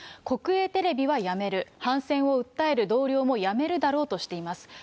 国営てれびは辞める、反戦を訴える同僚も辞めるだろうとしています。